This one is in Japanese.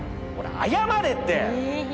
謝れって！